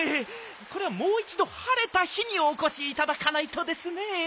これはもういちどはれた日におこしいただかないとですね。